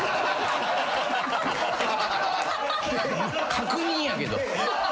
確認やけど。